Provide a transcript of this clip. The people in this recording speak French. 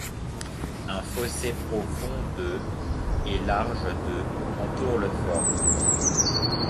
Un fossé profond de et large de entoure le fort.